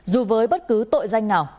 dù với bất cứ tội danh nào